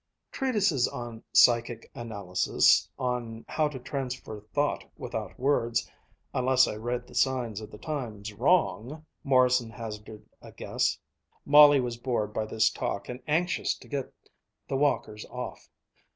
"Treatises on psychic analysis, on how to transfer thought without words, unless I read the signs of the times wrong," Morrison hazarded a guess. Molly was bored by this talk and anxious to get the walkers off.